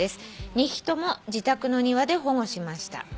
「２匹とも自宅の庭で保護しました」